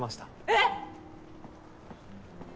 えっ